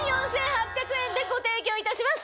でご提供いたします。